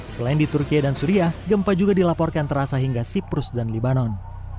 selain di turkiy dan suria gempa juga dilaporkan terasa hingga siprus dan libanon